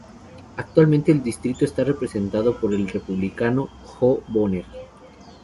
Actualmente el distrito está representado por el Republicano Jo Bonner.